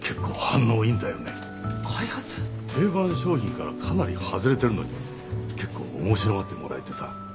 定番商品からかなり外れてるのに結構面白がってもらえてさ。